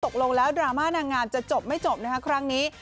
ตกลงแล้วดราม่านางงามจะจบไม่จบนะคะครั้งนี้